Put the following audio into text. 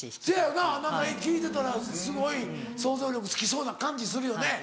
せやよな何か聞いてたらすごい創造力つきそうな感じするよね。